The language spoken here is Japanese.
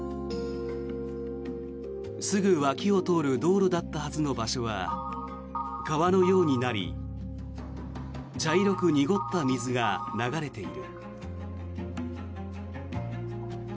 すぐ脇を通る道路だったはずの場所は川のようになり茶色く濁った水が流れている。